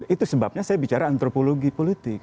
itu sebabnya saya bicara antropologi politik